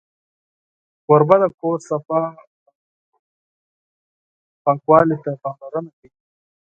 کوربه د کور صفا او پاکوالي ته پاملرنه کوي.